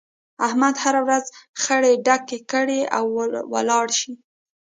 احمد هر ورځ خړی ډک کړي او ولاړ شي.